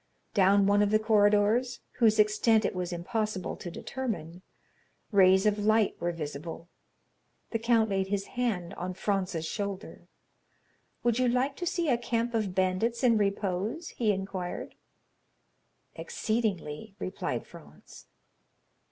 Down one of the corridors, whose extent it was impossible to determine, rays of light were visible. The count laid his hand on Franz's shoulder. "Would you like to see a camp of bandits in repose?" he inquired. "Exceedingly," replied Franz.